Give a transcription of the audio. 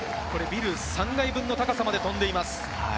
ビル３階分の高さまで飛んでいます。